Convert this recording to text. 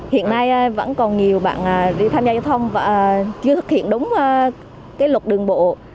hiện nay vẫn còn nhiều bạn khi tham gia giao thông và chưa thực hiện đúng cái luật đường bộ